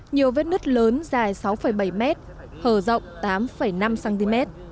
nhiều vết nứt lớn dài sáu bảy mét hở rộng tám năm cm